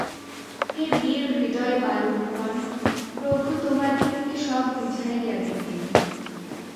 হে বীরহৃদয় বালকগণ! প্রভু তোমাদিগকে সব বুঝাইয়া দিবেন।